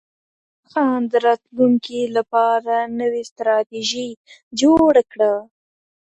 سردار اکبرخان د راتلونکې لپاره نوې ستراتیژي جوړه کړه.